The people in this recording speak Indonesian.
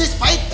wih najis baik